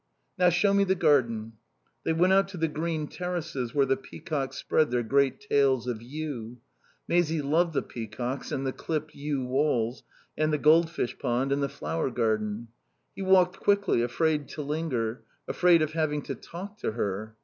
"Now show me the garden." They went out on to the green terraces where the peacocks spread their great tails of yew. Maisie loved the peacocks and the clipped yew walls and the goldfish pond and the flower garden. He walked quickly, afraid to linger, afraid of having to talk to her.